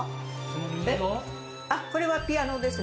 これはピアノです